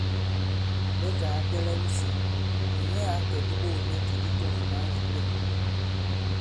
Bɛtà ǎ tɛ̄lɛ̄w isī nì nyɛ à kɛ diɓogìmɛtì i tûŋ ì mǎn wě Pên.